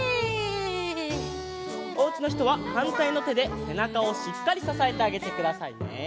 おうちのひとははんたいのてでせなかをしっかりささえてあげてくださいね。